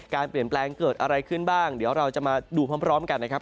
การเปลี่ยนแปลงเกิดอะไรขึ้นบ้างเดี๋ยวเราจะมาดูพร้อมกันนะครับ